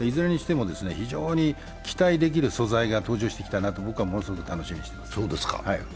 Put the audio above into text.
非常に期待できる素材が登場してきたなと、僕はものすごく楽しみにしています。